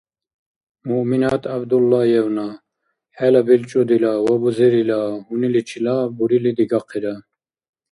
Муъминат ГӀябдуллаевна, хӀела белчӀудила ва бузерила гьуниличила бурили дигахъира.